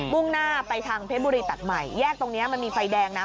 ่งหน้าไปทางเพชรบุรีตัดใหม่แยกตรงนี้มันมีไฟแดงนะ